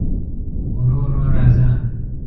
ورو ورو راځه